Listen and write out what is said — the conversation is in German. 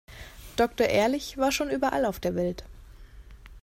Doktor Ehrlich war schon überall auf der Welt.